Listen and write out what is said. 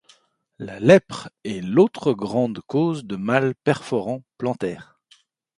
La lèpre est l'autre grande cause de mal perforant plantaire.